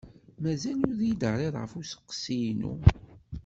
Mazal ur iyi-d-terriḍ ɣef usteqsi-inu.